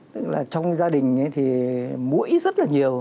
tức là trong gia đình thì mũi rất là nhiều